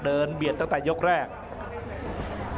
เดินเบียนตั้งแต่โลกแรก